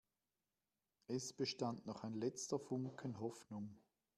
Es bestand noch ein letzter Funken Hoffnung.